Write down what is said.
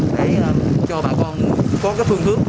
để cho bà con có cái phương hướng